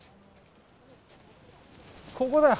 ここだよ。